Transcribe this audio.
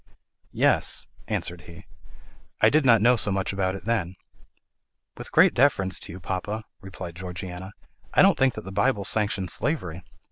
"Yes," answered he, "I did not know so much about it then." "With great deference to you, papa," replied Georgiana, "I don't think that the Bible sanctions slavery.